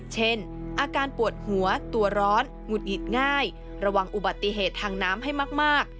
เช่นอาการปวดหัวตัวร้อนหงุดหงิดง่ายระวังอุบัติเหตุทางน้ำให้มาก